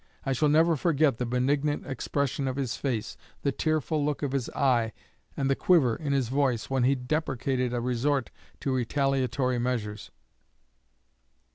I shall never forget the benignant expression of his face, the tearful look of his eye, and the quiver in his voice, when he deprecated a resort to retaliatory measures.